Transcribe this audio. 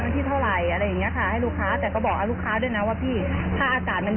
ที่ร้านหนูคนจริงเขาจะพาเละนะ